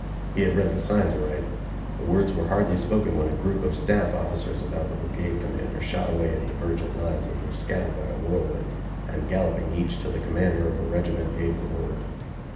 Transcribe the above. He had read the signs aright; the words were hardly spoken when a group of staff officers about the brigade commander shot away in divergent lines as if scattered by a whirlwind, and galloping each to the commander of a regiment gave the word.